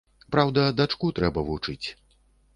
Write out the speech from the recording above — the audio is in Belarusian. Праўда, дачку трэба вучыць.